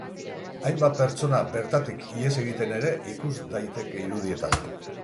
Hainbat pertsona bertatik ihes egiten ere ikus daiteke irudietan.